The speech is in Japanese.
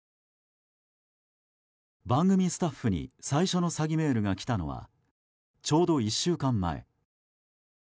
番組スタッフに最初の詐欺メールが来たのはちょうど１週間前。